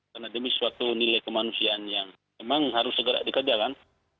karena demi suatu nilai kemanusiaan yang memang harus segera dikerjakan